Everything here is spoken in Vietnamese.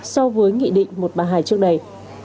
so với nghị định một trăm ba mươi hai trước đây